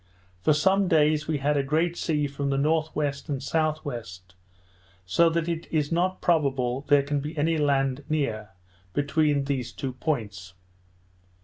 For some days we had a great sea from the N.W. and S.W., so that it is not probable there can be any land near, between these two points.